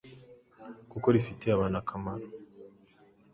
kuko rifitiye abantu akamaro.